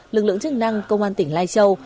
lực lượng chức năng công an tỉnh lai châu